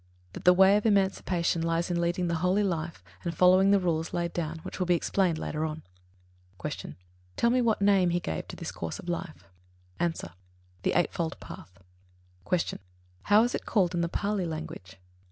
That the way of emancipation lies in leading the holy life and following the rules laid down, which will be explained later on. 77. Q. Tell me what name he gave to this course of life? A. The Noble Eightfold Path. 78. Q. _How is it called in the Pālī language?